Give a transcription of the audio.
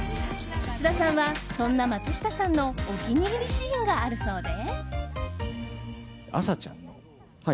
菅田さんは、そんな松下さんのお気に入りシーンがあるそうで。